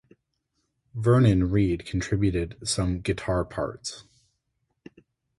Vernon Reid contributed some guitar parts.